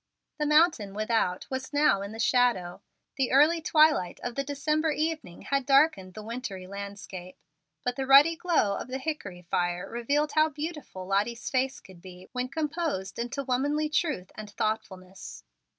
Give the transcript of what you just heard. The mountain without was now in the shadow. The early twilight of the December evening had darkened the wintry landscape; but the ruddy glow of the hickory fire revealed how beautiful Lottie's face could be, when composed into womanly truth and thoughtfulness.